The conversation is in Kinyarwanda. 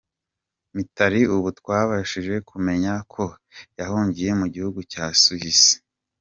Mitali ubu twabashije kumenya ko yahungiye mu gihugu cya Suisse.